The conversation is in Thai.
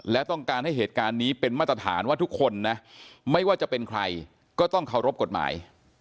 และต้องการให้เหตุการณ์นี้เป็นมาตรฐานว่าทุกคนนะไม่ว่าจะเป็นใครก็ต้องเคารพกฎหมาย